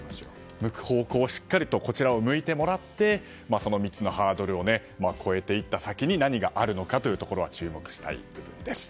抜く方向を、しっかりとこちらを向いてもらって３つのハードルを越えていった先に何があるのかというところに注目したいです。